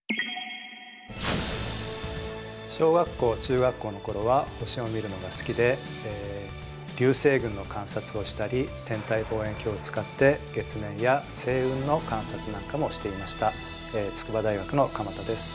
小学校中学校の頃は星を見るのが好きで流星群の観察をしたり天体望遠鏡を使って月面や星雲の観察なんかもしていました筑波大学の鎌田です。